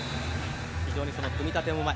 非常に組み立てもうまい。